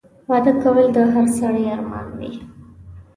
واده کول د هر سړي ارمان وي